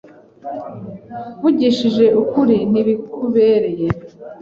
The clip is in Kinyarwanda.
Mvugishije ukuri, ntibikubereye.